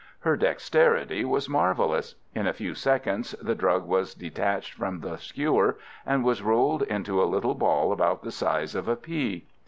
Her dexterity was marvellous. In a few seconds the drug was detached from the skewer, and was rolled into a little ball about the size of a pea.